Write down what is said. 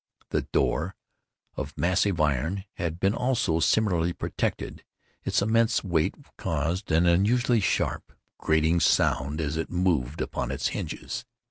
The door, of massive iron, had been, also, similarly protected. Its immense weight caused an unusually sharp grating sound, as it moved upon its hinges.